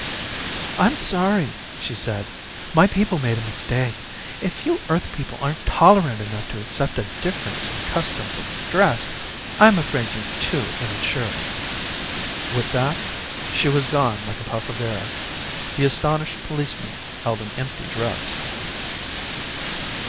"I'm sorry," she said. "My people made a mistake. If you Earth people aren't tolerant enough to accept a difference in customs of dress, I'm afraid you're too immature." With that, she was gone like a puff of air. The astonished policemen held an empty dress.